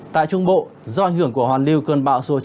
tại trung bộ do ảnh hưởng của hoàn lưu cơn bão số chín